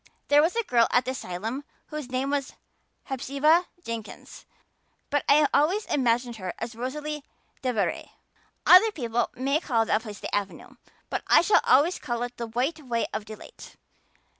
There was a girl at the asylum whose name was Hepzibah Jenkins, but I always imagined her as Rosalia DeVere. Other people may call that place the Avenue, but I shall always call it the White Way of Delight.